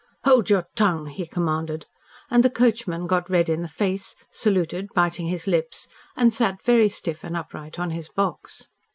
"Hold your tongue," he commanded, and the coachman got red in the face, saluted, biting his lips, and sat very stiff and upright on his box.